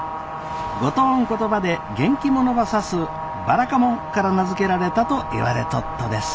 五島ん言葉で元気者ば指すばらかもんから名付けられたといわれとっとです。